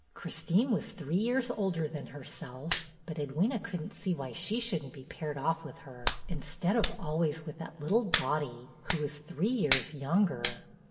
Christine was three years older than herself, but Edwyna could n't see why she should n't be paired off with her, instead of always with that little Dottie, who was three years younger.